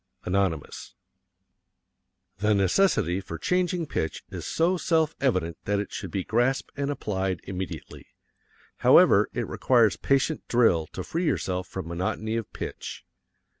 Anonymous. The necessity for changing pitch is so self evident that it should be grasped and applied immediately. However, it requires patient drill to free yourself from monotony of pitch.